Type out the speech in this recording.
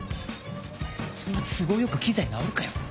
そんな都合良く機材直るかよ。